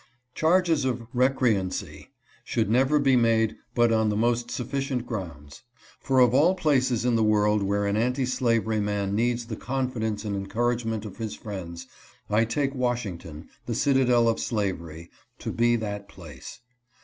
Charges of recreancy should never be made but on the most sufficient grounds. For of all places in the world where an anti slavery man needs the confidence and encouragement of his friends, I take Washington — the citadel of slavery — to be that place.